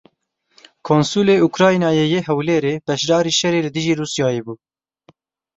Konsulê Ukraynayê yê Hewlêrê beşdarî şerê dijî Rûsyayê bû.